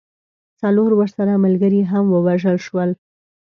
څلور ورسره ملګري هم ووژل سول.